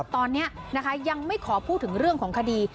ตอนนี้ยังไม่ขอพูดถึงเรื่องของคดี